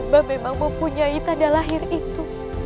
bah memang mempunyai tanda lahir itu